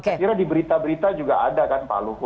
saya kira di berita berita juga ada kan pak luhut